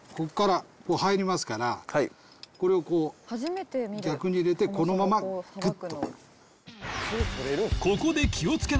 ここからこう入りますからこれをこう逆に入れてこのままグッとこう。